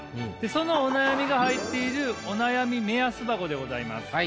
そのお悩みが入っているお悩み目安箱でございます。